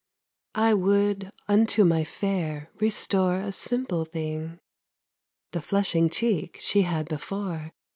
I would unto my fair restore A simple thing: The flushing cheek she had before!